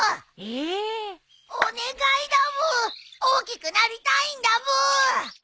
大きくなりたいんだブー！